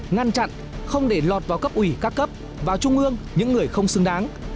ngăn chặn không để lọt vào cấp ủy các cấp vào trung ương những người không xứng đáng